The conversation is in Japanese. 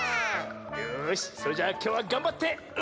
よしそれじゃきょうはがんばってうるぞ！